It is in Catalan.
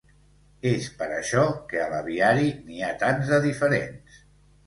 És per això que a l'aviari n'hi ha tants de diferents.